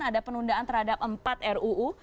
ada penundaan terhadap empat ruu